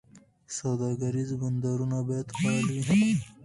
سوداګریز بندرونه باید فعال وي.